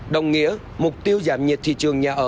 đồng nghĩa mục tiêu giảm nhiệt thị trường nhà ở